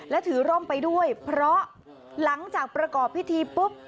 และถือร่มไปด้วยเพราะหลังจากประกอบพิธีปุ๊บ